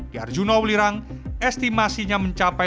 di arjuna ulirang estimasinya mencapai